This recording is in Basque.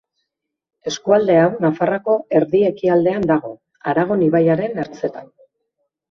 Eskualde hau Nafarroako erdi-ekialdean dago, Aragon ibaiaren ertzetan.